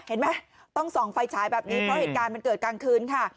เห็นไหมต้องส่องไฟฉายแบบนี้เพราะเหตุการณ์มันเกิดกลางคืนค่ะ